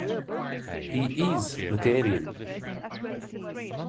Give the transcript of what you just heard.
He is Lutheran.